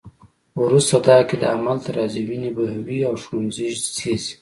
وروسته دا عقیده عمل ته راځي، وینې بهوي او ښوونځي سیزي.